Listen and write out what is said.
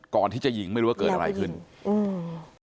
ก่อนที่จะหญิงไม่รู้ว่าเกิดอะไรขึ้นแล้วไปหญิงอืม